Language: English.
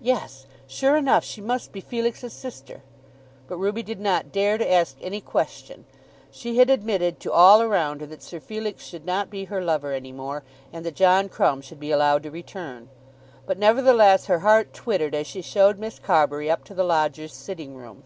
"Yes; sure enough she must be Felix's sister." But Ruby did not dare to ask any question. She had admitted to all around her that Sir Felix should not be her lover any more, and that John Crumb should be allowed to return. But, nevertheless, her heart twittered as she showed Miss Carbury up to the lodger's sitting room.